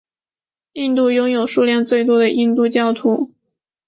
印度拥有数量最多印度教徒。